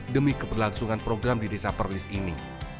demi keberlangsungan program di desa perlis ini